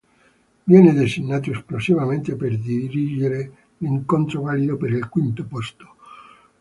Viene designato esclusivamente per dirigere l'incontro valido per il quinto posto.